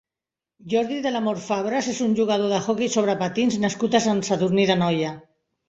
Jordi del Amor Fabres és un jugador d'hoquei sobre patins nascut a Sant Sadurní d'Anoia.